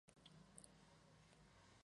De lo que se come se cría